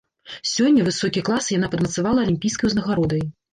Сёння высокі клас яна падмацавала алімпійскай узнагародай.